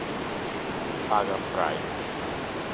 Pagan Pride.